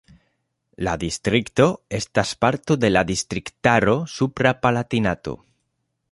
La distrikto estas parto de la distriktaro Supra Palatinato.